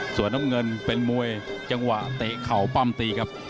ส่วนน้ำเงินเป็นมวยจังหวะเตะเข่าปั้มตีครับ